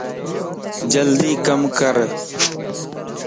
جلدي ڪم ڪر